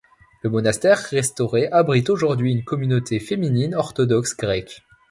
Le monastère restauré abrite aujourd'hui une communauté féminine orthodoxe grecque.